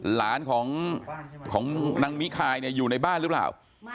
หลานของนางมิคายอยู่ในบ้านหรือเปล่า